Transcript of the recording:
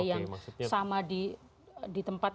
yang sama di tempat